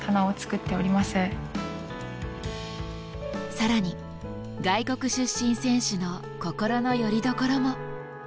更に外国出身選手の心のよりどころも。